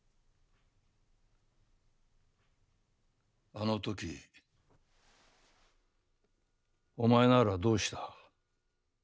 あの時お前ならどうした？